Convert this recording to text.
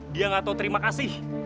dia gak tau terima kasih